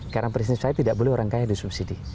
karena perisnis saya tidak boleh orang kaya disubsidi